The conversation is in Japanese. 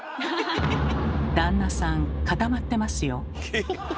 旦那さん固まってますよ。